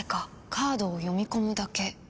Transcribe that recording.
カードを読み込むだけ。